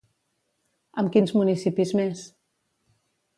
Amb quins municipis més?